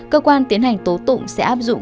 cơ quan tiến hành tố tụng sẽ áp dụng